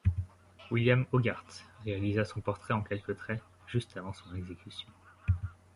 William Hogarth réalisa son portrait en quelques traits juste avant son exécution.